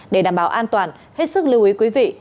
để đảm bảo an toàn hết sức lưu ý quý vị